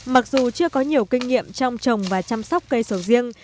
mặc dù chưa có nhiều kinh nghiệm trong trồng và chăm sóc cây sầu riêng